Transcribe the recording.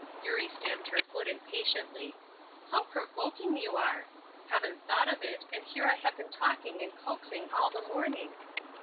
Eurie stamped her foot impatiently. "How provoking you are! Haven't thought of it, and here I have been talking and coaxing all the morning.